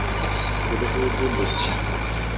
কোনো প্রয়োজন দেখছি না।